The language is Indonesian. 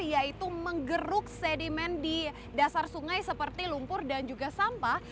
yaitu menggeruk sedimen di dasar sungai seperti lumpur dan juga sampah